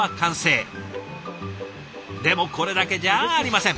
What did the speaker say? でもこれだけじゃありません。